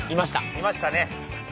いましたね。